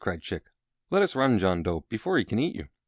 cried Chick. "Let us run, John Dough, before he can eat you."